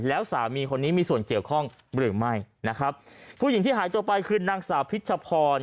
แล้วสามีคนนี้มีส่วนเกี่ยวข้องหรือไม่นะครับผู้หญิงที่หายตัวไปคือนางสาวพิชพร